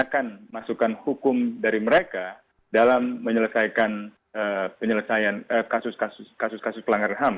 ada masukan hukum dari mereka dalam menyelesaikan kasus kasus pelanggaran ham